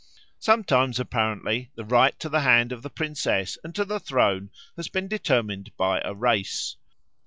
Sometimes apparently the right to the hand of the princess and to the throne has been determined by a race.